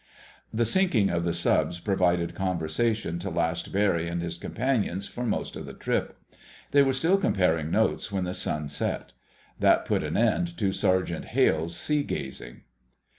The sinking of the subs provided conversation to last Barry and his companions for most of the trip. They were still comparing notes when the sun set. That put an end to Sergeant Hale's sea gazing.